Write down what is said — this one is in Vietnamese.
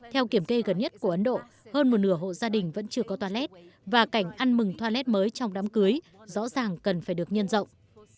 theo kiểm kê gần nhất của ấn độ hơn một nửa hộ gia đình vẫn chưa có toilet và cảnh ăn mừng toilet mới trong đám cưới rõ ràng cần phải được nhân dọng